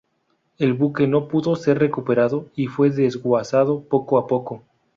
El buque no pudo ser recuperado y fue desguazado poco a poco.